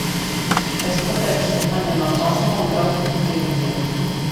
Es pateikšu, ka paņēmāt auto un braucat uz dienvidiem.